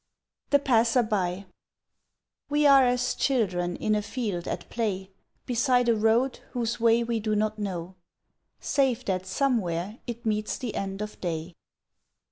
The Passer By WE are as children in a field at play Beside a road whose way we do not know, Save that somewhere it meets the end of day.